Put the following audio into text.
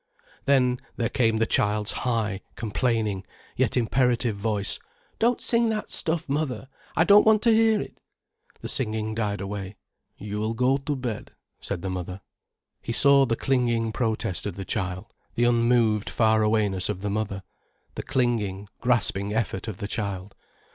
Then there came the child's high, complaining, yet imperative voice: "Don't sing that stuff, mother; I don't want to hear it." The singing died away. "You will go to bed," said the mother. He saw the clinging protest of the child, the unmoved farawayness of the mother, the clinging, grasping effort of the child.